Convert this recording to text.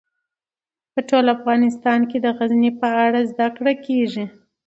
په ټول افغانستان کې د غزني په اړه زده کړه کېږي.